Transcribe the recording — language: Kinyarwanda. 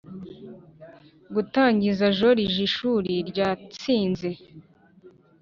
gutangiza koleji ishuri ryatsinze